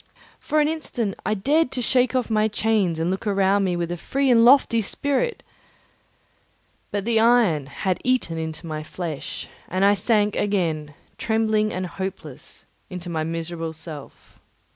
For an instant I dared to shake off my chains and look around me with a free and lofty spirit, but the iron had eaten into my flesh, and I sank again, trembling and hopeless, into my miserable self.